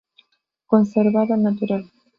Conservada al natural.